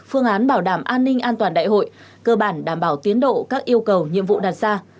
phương án bảo đảm an ninh an toàn đại hội cơ bản đảm bảo tiến độ các yêu cầu nhiệm vụ đặt ra